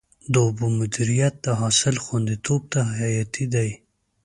د اوبو مدیریت د حاصل خوندیتوب ته حیاتي دی.